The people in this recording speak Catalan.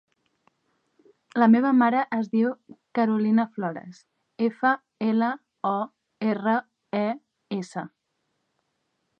La meva mare es diu Carolina Flores: efa, ela, o, erra, e, essa.